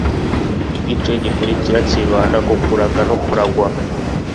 igice gikurikira cyibanda k'ukuraga no kuragwa